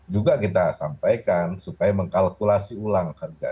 juga kita sampaikan supaya mengkalkulasi ulang harga